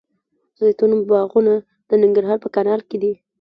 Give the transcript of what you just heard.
زیتون باغونه د ننګرهار په کانال کې دي.